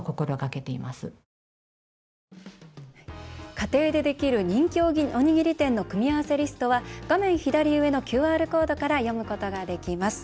家庭でできる人気おにぎり店の組み合わせリストは画面左上のＱＲコードから読むことができます。